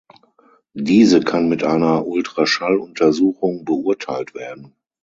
Diese kann mit einer Ultraschalluntersuchung beurteilt werden.